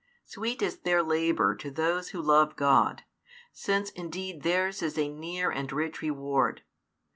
Sweet is their labour to those who love God, since indeed theirs is a near and rich reward.